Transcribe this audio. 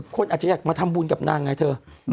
คนอาจจะอยากมาทำบุญกับนางไงเธอ